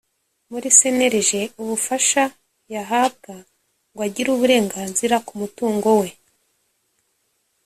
muri cnlg ubufasha yahabwa ngo agire uburenganzira k umutungo we